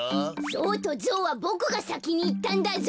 ゾウとゾはボクがさきにいったんだぞ。